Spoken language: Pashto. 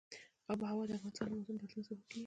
آب وهوا د افغانستان د موسم د بدلون سبب کېږي.